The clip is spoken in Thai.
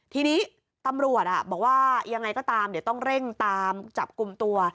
ทีนี้ตำรวจบอกว่ายังไงก็ตามเดี๋ยวต้องเร่งตามจับกลุ่มตัว